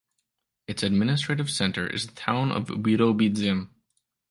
Its administrative center is the town of Birobidzhan.